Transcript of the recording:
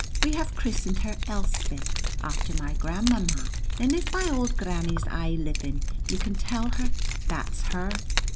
We have christened her Elspeth after my grandmamma, and if my auld granny's aye living, you can tell her that's her.